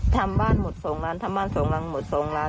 ทำบ้านหมด๒ล้านทำบ้าน๒หลังหมด๒ล้าน